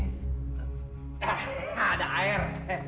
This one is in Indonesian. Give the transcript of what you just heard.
hah ada air